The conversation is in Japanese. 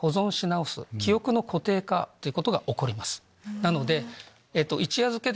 なので。